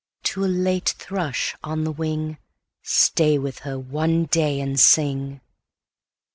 To a late thrush on the wing,"Stay with her one day and sing!"